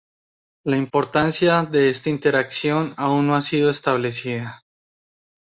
La importancia de esta interacción aún no ha sido establecida.